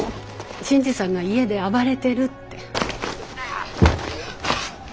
新次さんが家で暴れてるって。